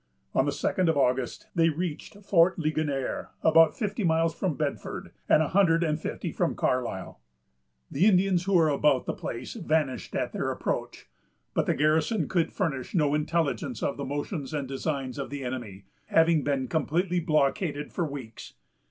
On the second of August, they reached Fort Ligonier, about fifty miles from Bedford, and a hundred and fifty from Carlisle. The Indians who were about the place vanished at their approach; but the garrison could furnish no intelligence of the motions and designs of the enemy, having been completely blockaded for weeks.